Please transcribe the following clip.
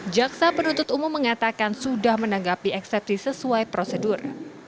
jaksa penuntut umum mengatakan sudah menanggapi eksepsi sesuai prosedur